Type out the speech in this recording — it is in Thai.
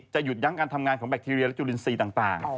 หยุดยั้งการทำงานของแบคทีเรียและจุลินทรีย์ต่าง